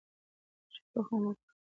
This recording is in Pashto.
ښه تخم وکرئ.